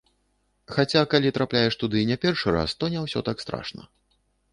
Хаця, калі трапляеш туды не першы раз, то не ўсё так страшна.